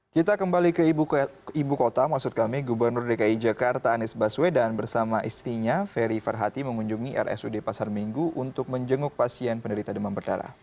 kita kembali ke ibu kota maksud kami gubernur dki jakarta anies baswedan bersama istrinya ferry farhati mengunjungi rsud pasar minggu untuk menjenguk pasien penderita demam berdarah